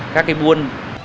các cái buôn